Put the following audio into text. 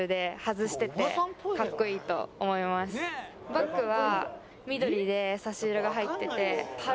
バッグは。